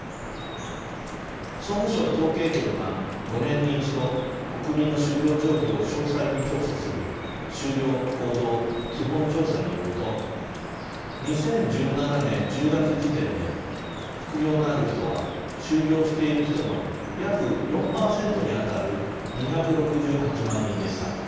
総務省統計局が５年に一度国民の就業状況を詳細に調査する「就業構造基本調査」によると２０１７年１０月時点で副業のある人は就業している人の約４％にあたる２６８万人でした。